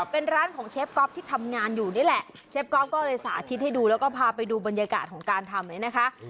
เป็นร้านของเชฟก๊อฟที่ทำงานอยู่นี่แหละเชฟก๊อฟก็เลยสาธิตให้ดูแล้วก็พาไปดูบรรยากาศของการทำเลยนะคะ